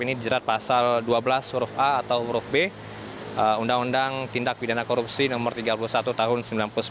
ini dijerat pasal dua belas huruf a atau huruf b undang undang tindak pidana korupsi nomor tiga puluh satu tahun seribu sembilan ratus sembilan puluh sembilan